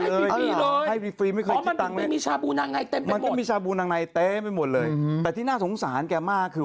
แล้วร้านที่เกิดเรื่องเนี่ยอยู่๔๓คือถัดไปซอย๑แล้วร้านที่เกิดเรื่องเนี่ยอยู่๔๓